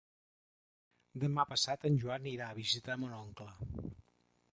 Demà passat en Joan irà a visitar mon oncle.